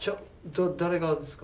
誰がですか？